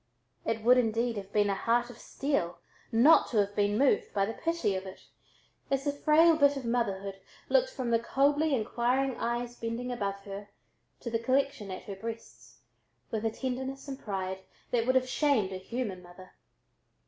It would, indeed, have been a heart of steel not to have been moved by the pity of it, as the frail bit of motherhood looked from the coldly inquiring eyes bending above her, to the collection at her breasts, with a tenderness and pride that would have shamed a human mother.